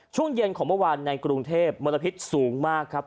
ช่วงเย็นของเมื่อวานในกรุงเทพมลพิษสูงมากครับ